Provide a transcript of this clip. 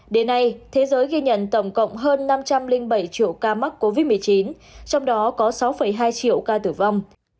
đến nay thế giới ghi nhận tổng cộng hơn năm trăm linh bảy triệu ca mắc covid một mươi chín trong đó có sáu hai triệu ca tử vong